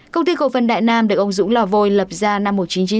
công ty cổ phần đại nam được ông dũng lò vôi lập ra năm một nghìn chín trăm chín mươi